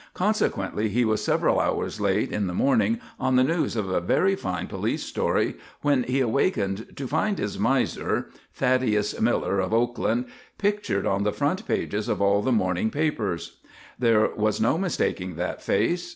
Consequently he was several hours late in the morning on the news of a very fine police story when he awakened to find his miser Thaddeus Miller of Oakland pictured on the front pages of all the morning papers. There was no mistaking that face.